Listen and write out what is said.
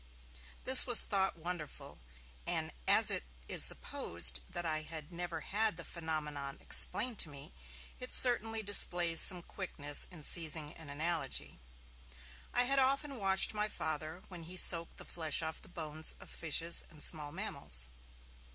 This was thought wonderful, and, as it is supposed that I had never had the phenomenon explained to me, it certainly displays some quickness in seizing an analogy. I had often watched my Father, while he soaked the flesh off the bones of fishes and small mammals.